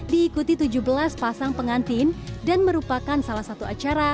diikuti tujuh belas pasang pengantin dan merupakan salah satu acara